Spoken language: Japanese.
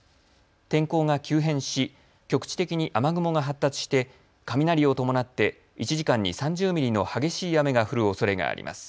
天候が急変し、局地的に雨雲が発達して雷を伴って１時間に３０ミリの激しい雨が降るおそれがあります。